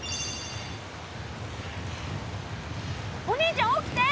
お兄ちゃん起きて！